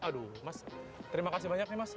aduh mas terima kasih banyak nih mas